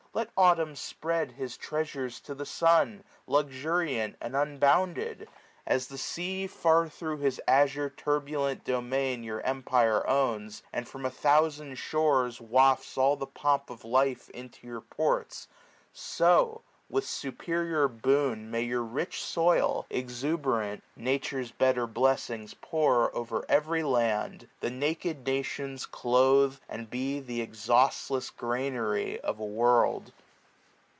Let Autumn spread his treasures to the sun. Luxuriant and unbounded : As the sea, Far thro' his azure turbulent domain, 70 Your empire owns ; and from a thousand shores Wafts all the pomp of life into your ports ; So with superior boon may your rich soil. Exuberant, Nature's better bleffings pour O'er every land ; the naked nations cloathe ; 75 And be th' exhaustless granary of a world.